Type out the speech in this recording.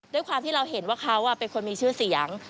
ด้วยความที่เราเห็นว่าเขาเป็นคนมีชื่อเสียง